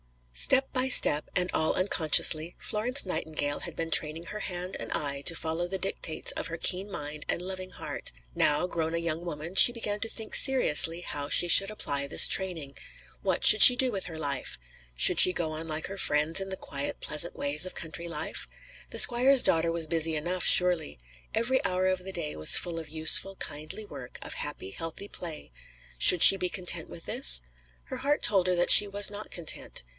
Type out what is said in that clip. Step by step, and all unconsciously, Florence Nightingale had been training her hand and eye to follow the dictates of her keen mind and loving heart. Now, grown a young woman, she began to think seriously how she should apply this training. What should she do with her life? Should she go on like her friends, in the quiet pleasant ways of country life? The squire's daughter was busy enough, surely. Every hour of the day was full of useful, kindly work, of happy, healthy play; should she be content with this? Her heart told her that she was not content.